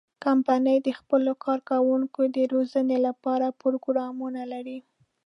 کمپنۍ د خپلو کارکوونکو د روزنې لپاره پروګرامونه لري.